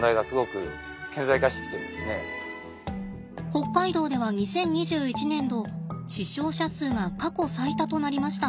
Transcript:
北海道では２０２１年度死傷者数が過去最多となりました。